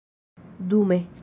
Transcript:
dume